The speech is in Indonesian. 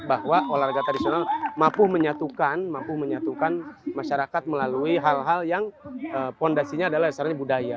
bahwa olahraga tradisional mampu menyatukan masyarakat melalui hal hal yang fondasinya adalah dasarnya budaya